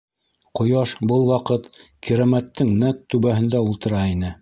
Ҡояш был ваҡыт Кирәмәттең нәҡ түбәһендә ултыра ине.